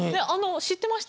知ってました？